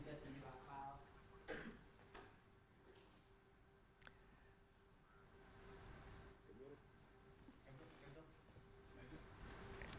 ketua dpr setia novanto ke rsjm kencana pada minggu siang